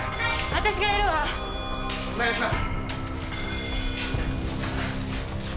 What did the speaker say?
私がやるわお願いします